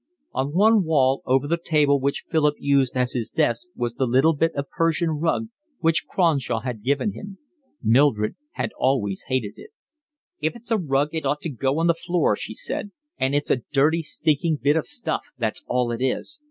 On one wall over the table which Philip used as his desk was the little bit of Persian rug which Cronshaw had given him. Mildred had always hated it. "If it's a rug it ought to go on the floor," she said, "and it's a dirty stinking bit of stuff, that's all it is."